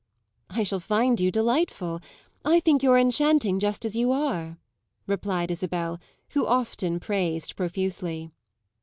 "I shall find you delightful; I think you're enchanting just as you are," replied Isabel, who often praised profusely.